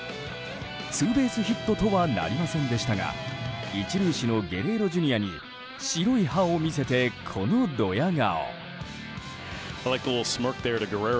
ツーベースヒットとはなりませんでしたが１塁手のゲレーロＪｒ．に白い歯を見せて、このドヤ顔。